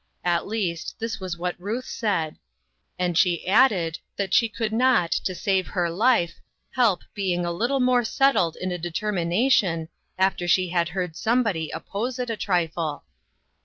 At least, this was what Ruth said; and she added that she could not, to save her life, help being a little more settled in a determination after she had heard somebody oppose it a trifle.